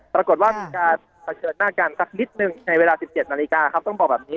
ปรากฏว่ามีการเผชิญหน้ากันสักนิดหนึ่งในเวลา๑๗นาฬิกาครับต้องบอกแบบนี้